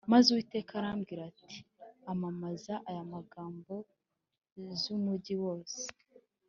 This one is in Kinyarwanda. Maze Uwiteka arambwira ati Amamaza aya magambo z’umujyi wose